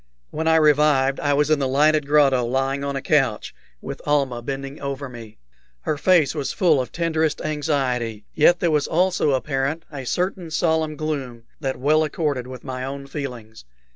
When I revived I was in the lighted grotto, lying on a couch, with Almah bending over me. Her face was full of tenderest anxiety, yet there was also apparent a certain solemn gloom that well accorded with my own feelings.